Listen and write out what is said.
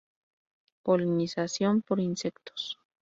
Polinización por insectos.